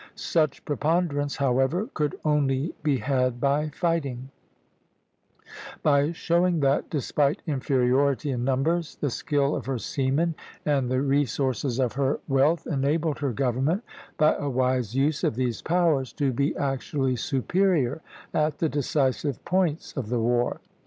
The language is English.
Such preponderance, however, could only be had by fighting; by showing that, despite inferiority in numbers, the skill of her seamen and the resources of her wealth enabled her government, by a wise use of these powers, to be actually superior at the decisive points of the war.